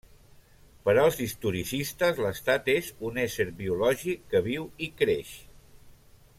Per als historicistes, l'estat és un ésser biològic que viu i creix.